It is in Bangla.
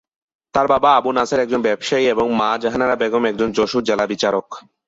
তার বাবা আবু নাসের একজন ব্যবসায়ী এবং মা জাহানারা বেগম একজন যশোর জেলা বিচারক।